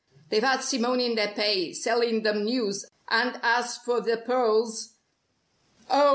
They've had Simone in their pay, selling them news, and as for the pearls " "Oh!